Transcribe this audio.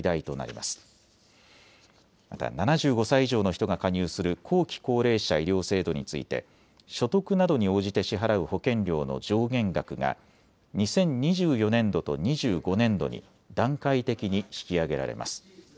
また７５歳以上の人が加入する後期高齢者医療制度について所得などに応じて支払う保険料の上限額が２０２４年度と２５年度に段階的に引き上げられます。